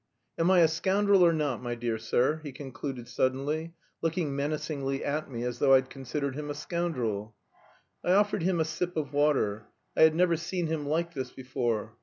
Am I a scoundrel or not, my dear sir?" he concluded suddenly, looking menacingly at me, as though I'd considered him a scoundrel. I offered him a sip of water; I had never seen him like this before.